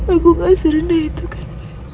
aku gak serendah itu kan